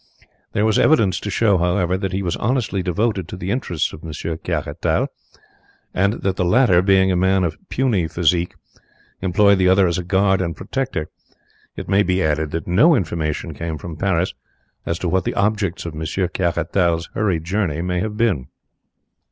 There was evidence to show, however, that he was honestly devoted to the interests of Monsieur Caratal, and that the latter, being a man of puny physique, employed the other as a guard and protector. It may be added that no information came from Paris as to what the objects of Monsieur Caratal's hurried journey may have been.